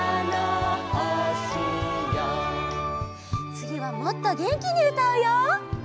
つぎはもっとげんきにうたうよ！